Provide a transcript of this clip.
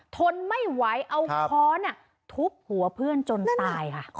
ทนไม่ไหวเอาค้อนทุบหัวเพื่อนจนตายค่ะ